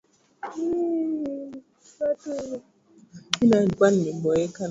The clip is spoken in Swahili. na Ikumbuke siku ya Sabato uitakase Wanaambiwa Ikumbuke kumaanisha kuwa Wanakumbushwa kitu walichokifahamu na